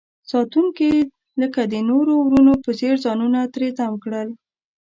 ساتونکي لکه د نورو ورونو په څیر ځانونه تری تم کړل.